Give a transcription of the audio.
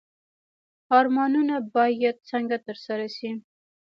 ارمانونه باید څنګه ترسره شي؟